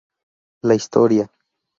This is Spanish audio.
La historia.